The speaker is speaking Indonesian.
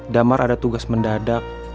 damar ada tugas mendadak